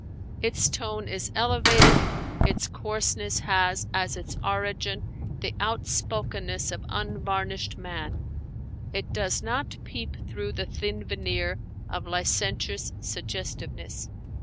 Its tone is elevated; its coarseness has as its origin the outspokenness of unvarnished man; it does not peep through the thin veneer of licentious suggestiveness.